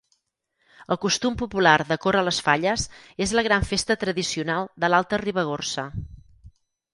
El costum popular de córrer les falles és la gran festa tradicional de l'Alta Ribagorça.